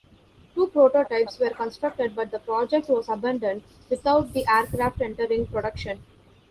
Two prototypes were constructed, but the project was abandoned without the aircraft entering production.